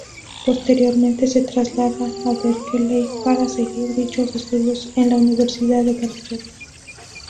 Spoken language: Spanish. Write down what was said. Posteriormente se traslada a Berkeley para seguir dichos estudios en la Universidad de California.